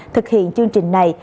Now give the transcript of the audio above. thực hiện chương trình này